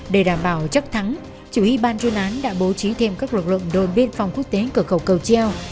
để đảm bảo chắc thắng chủ y ban chuyên án đã bố trí thêm các lực lượng đồn biên phòng quốc tế cửa khẩu cầu treo